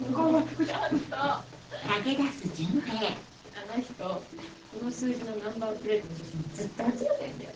あの人この数字のナンバープレートの写真ずっと集めてんだよ。